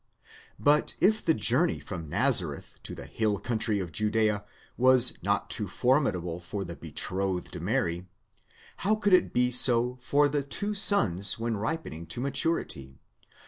5 But if the journey from Nazareth to the hill country of Judea was not too formidable for the be trothed Mary, how could it be so for the two sons when ripening to maturity?